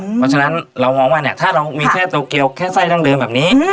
เพราะฉะนั้นเรามองว่าเนี่ยถ้าเรามีแค่โตเกียวแค่ไส้ดั้งเดิมแบบนี้